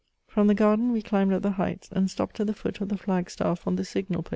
From the garden we climbed up the heights, and stopped at the foot of the flag staff on the signal post.